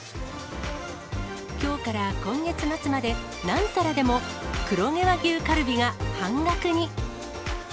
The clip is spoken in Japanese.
きょうから今月末まで、何皿でも黒毛和牛カルビが半額に。